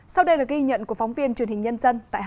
sau đây là ghi nhận của phóng viên truyền hình nhân dân tại hà nội